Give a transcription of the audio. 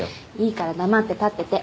いいから黙って立ってて。